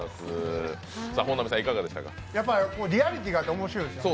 リアリティーがあって面白いですよね。